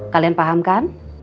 kalian paham kan